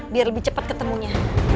biar lebih cepat ketemunya